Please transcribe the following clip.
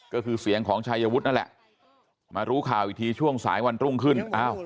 ก็คือเสียงของชัยวุฒินั่นแหละมารู้ข่าวอีกทีช่วงสายวันรุ่งขึ้น